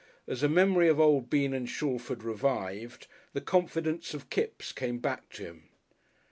As the memory of old Bean and Shalford revived, the confidence of Kipps came back to him.